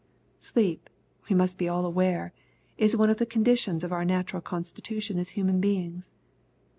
Sleep, we must be all aware, is one of the conditions of our natural constitu tion as human beings.